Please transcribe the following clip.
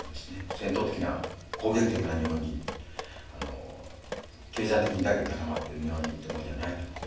戦闘的な攻撃的な日本人経済的にだけ固まってる日本人ってもんじゃないと思う。